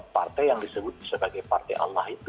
partai yang disebut sebagai partai allah itu